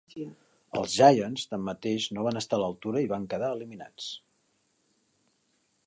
Els Giants, tanmateix, no van estar a l'altura i van quedar eliminats.